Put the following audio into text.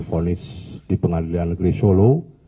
fonis di pengadilan negeri solo